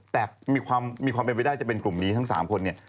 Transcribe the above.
แต่มีความเป็นไปได้จะเป็นกลุ่มนี้ทั้ง๓คนเนี่ย